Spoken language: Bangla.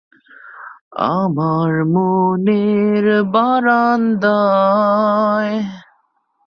নিজেকে এরপর ইন্দোরের রাজা বলে ঘোষণা করেন তিনি।